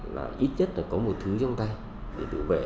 là ít nhất là có một thứ trong tay để tự vệ